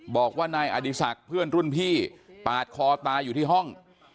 บอกว่านายอดีศักดิ์เพื่อนรุ่นพี่ปาดคอตายอยู่ที่ห้อง